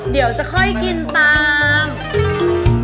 เดี๋ยวจะค่อยกินตาม